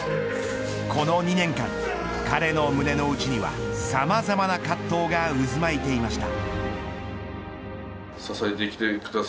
この２年間、彼の胸の内にはさまざまな葛藤が渦巻いていました。